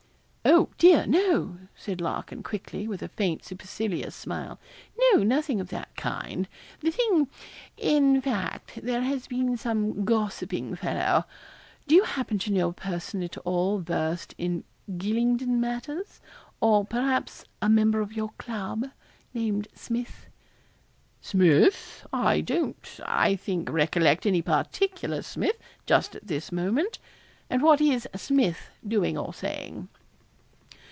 'Oh, dear, no,' said Larkin, quickly, with a faint, supercilious smile. 'No, nothing of that kind. The thing in fact, there has been some gossiping fellow. Do you happen to know a person at all versed in Gylingden matters or, perhaps, a member of your club named Smith?' 'Smith? I don't, I think, recollect any particular Smith, just at this moment. And what is Smith doing or saying?'